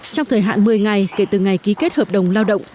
trong thời hạn một mươi ngày kể từ ngày ký kết hợp đồng lao động